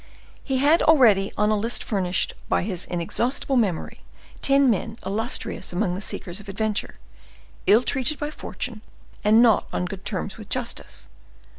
He had already on a list furnished by his inexhaustible memory, ten men illustrious amongst the seekers of adventure, ill treated by fortune, and not on good terms with justice.